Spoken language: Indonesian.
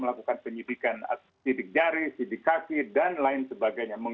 melakukan penyidikan sidik jari sidik kaki dan lain sebagainya